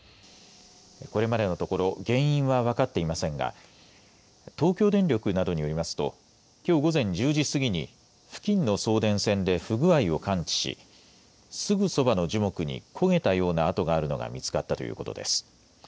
これまでのところ、原因は分かっていませんが、東京電力などによりますと、きょう午前１０時過ぎに、付近の送電線で不具合を感知し、すぐそばの樹木に焦げたような跡があるのが見つかったということです。